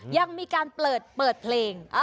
ยังมีการเปิดเพลง